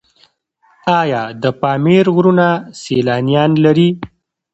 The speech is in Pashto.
آیا د پامیر غرونه سیلانیان لري؟